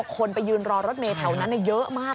คนไปยืนรอรถเมย์แถวนั้นเยอะมาก